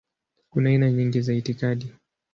Kuna aina nyingi za itikadi.